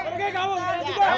pergi kamu juga